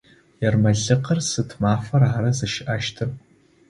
Ермэлыкъыр сыд мафэр ара зыщыӏэщтыр?